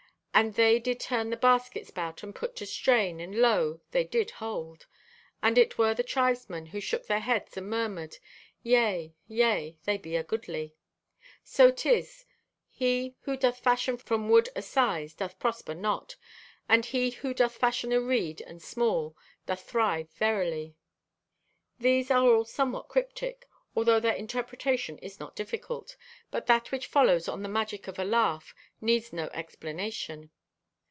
And they did turn the baskets 'bout and put to strain, and lo, they did hold. And it were the tribesmen, who shook their heads and murmured, 'Yea, yea, they be a goodly.' "So 'tis; he who doth fashion from wood o' size doth prosper not, and he who doth fashion o' reed and small, doth thrive verily." These are all somewhat cryptic, although their interpretation is not difficult, but that which follows on the magic of a laugh needs no explanation.